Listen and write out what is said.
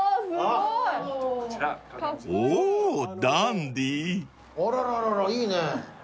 あららららいいね。